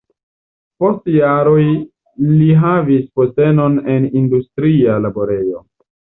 Post jaroj li havis postenon en industria laborejo.